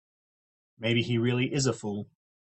Maybe he really is a fool.